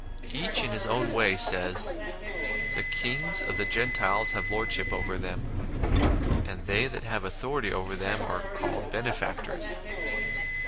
Each in his own way says, " The kings of the Gentiles have lordship over them ; and they that have authority over them are called Benefactors.